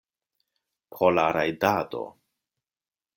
Pro la rajdado.